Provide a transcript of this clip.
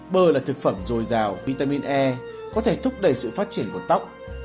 bơ là thực phẩm dồi dào vitamin e có thể thúc đẩy sự phát triển của tóc